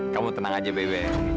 kamu tenang aja bebe